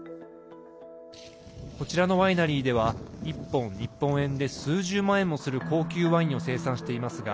こちらのワイナリーでは１本、日本円で数十万円もする高級ワインを生産していますが